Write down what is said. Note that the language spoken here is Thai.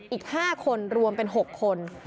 อีก๕คนรวมเป็น๖คน